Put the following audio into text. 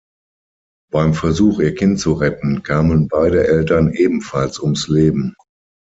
Beim Versuch, ihr Kind zu retten, kamen beide Eltern ebenfalls ums Leben.